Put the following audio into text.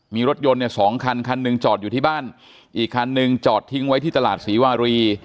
มีรถยนต์เนี่ยสองคันคันหนึ่งจอดอยู่ที่บ้านอีกคันหนึ่งจอดทิ้งไว้ที่ตลาดศรีวารี